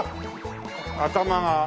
頭が。